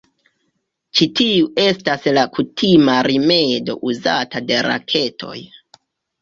Ĉi tiu estas la kutima rimedo uzata de raketoj.